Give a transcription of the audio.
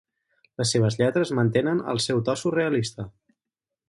Les seves lletres mantenen el seu to surrealista.